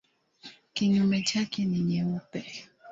Kinyume chake ni nyeupe.